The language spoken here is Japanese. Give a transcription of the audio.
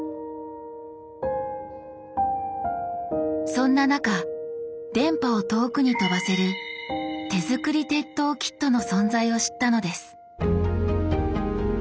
そんな中電波を遠くに飛ばせる「手作り鉄塔キット」の存在を知ったのです。